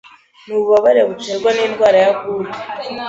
n’ububabare buterwa n’indwara ya ‘Goutte’